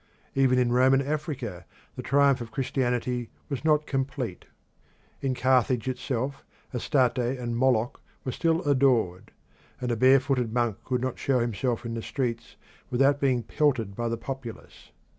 Even in Roman Africa the triumph of Christianity was not complete. In Carthage itself Astarte and Moloch were still adored, and a bare footed monk could not show himself in the streets without being pelted by the populace.